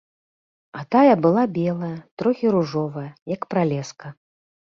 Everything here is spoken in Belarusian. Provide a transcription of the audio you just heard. А тая была белая, трохі ружовая, як пралеска.